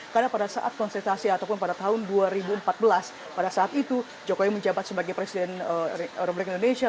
karena pada saat konsultasi ataupun pada tahun dua ribu empat belas pada saat itu jokowi menjabat sebagai presiden republik indonesia